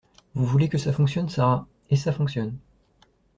Vous voulez que ça fonctionne, Sara. Et ça fonctionne.